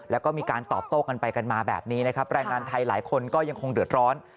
แล้วก็มีการตอบโต้กันไปกันมาแบบนี้นะครับแรงงานไทยหลายคนก็ยังคงเดือดร้อน